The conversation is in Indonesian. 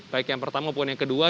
baik yang pertama maupun yang kedua